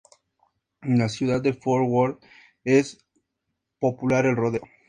En la ciudad de Fort Worth es popular el rodeo.